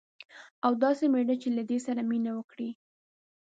او داسي میړه چې له دې سره مینه وکړي